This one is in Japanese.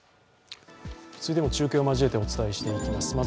次も中継を交えてお伝えしていきます。